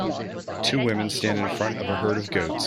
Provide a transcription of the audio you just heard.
Two women stand in front of a herd of goats.